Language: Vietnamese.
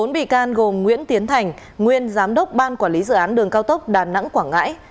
bốn bị can gồm nguyễn tiến thành nguyên giám đốc ban quản lý dự án đường cao tốc đà nẵng quảng ngãi